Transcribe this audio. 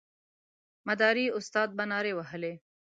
مداري استاد به نارې وهلې.